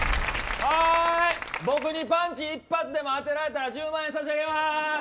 はーい、僕にパンチ一発でも当てられたら１０万円差し上げまーす！